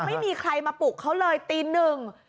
ไม่มีใครมาปลุกเขาเลยตีหนึ่ง